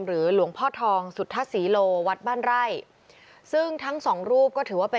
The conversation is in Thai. หรือหลวงพ่อทองสุดทัชสีโลวัดบั้นไรซึ่งทั้งสองรูป